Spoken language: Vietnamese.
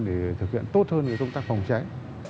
để thực hiện tốt hơn công tác phòng cháy